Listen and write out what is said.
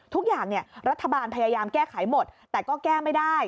ทุกอย่างรัฐบาลพยายามแก้ไขหมดแต่ก็แก้ไม่ได้